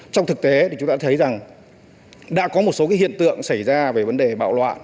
trong thực tế thì chúng ta thấy rằng đã có một số hiện tượng xảy ra về vấn đề bạo loạn